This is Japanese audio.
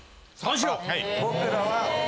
僕らは。